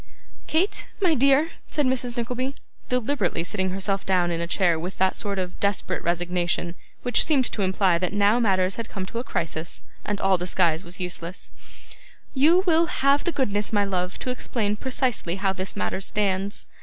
'Kate, my dear,' said Mrs. Nickleby, deliberately sitting herself down in a chair with that sort of desperate resignation which seemed to imply that now matters had come to a crisis, and all disguise was useless, 'you will have the goodness, my love, to explain precisely how this matter stands.